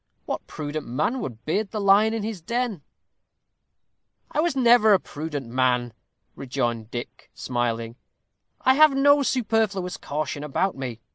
What prudent man would beard the lion in his den?" "I never was a prudent man," rejoined Dick, smiling; "I have no superfluous caution about me.